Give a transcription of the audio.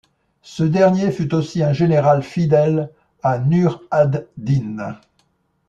Ce dernier fut aussi un général fidèle à Nur ad-Din.